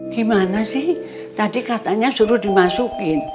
gimana sih tadi katanya suruh dimasukin